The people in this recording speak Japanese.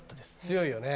強いよね。